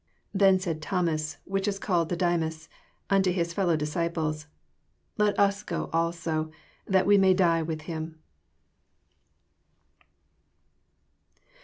16 Then said Thomas, which is called Didymus, unto his fellow dis ciples. Let us also go, that we maj die with him.